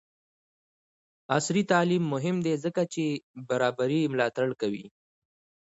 عصري تعلیم مهم دی ځکه چې برابري ملاتړ کوي.